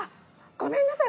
ごめんなさい。